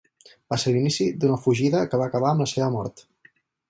Va ser l'inici d'una fugida que va acabar amb la seva mort.